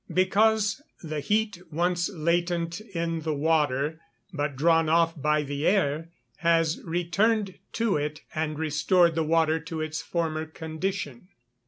_ Because the heat, once latent in the water, but drawn off by the air, has returned to it, and restored the water to its former condition.